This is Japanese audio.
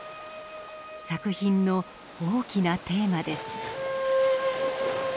作品の大きなテーマです。